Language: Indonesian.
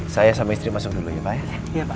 saya sama istri masuk dulu ya pak ya